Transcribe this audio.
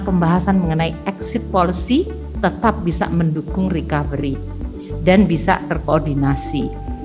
pembahasan mengenai exit policy tetap bisa mendukung recovery dan bisa terkoordinasi